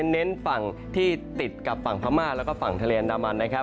เน้นฝั่งที่ติดกับฝั่งพม่าแล้วก็ฝั่งทะเลอันดามันนะครับ